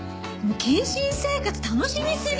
謹慎生活楽しみすぎ！